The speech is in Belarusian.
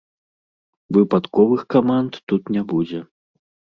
Выпадковых каманд тут не будзе.